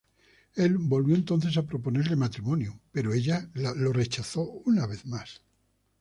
Él volvió entonces a proponerle matrimonio, pero ella lo rechazó una vez más.